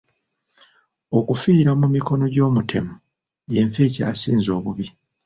Okufiira mu mikono gy'omutemu y'enfa ekyasinze obubi.